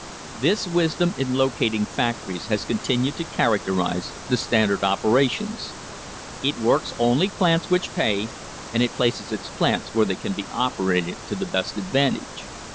This wisdom in locating factories has continued to characterise the Standard operations. It works only plants which pay, and it places its plants where they can be operated to the best advantage.